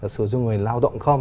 sử dụng người lao động không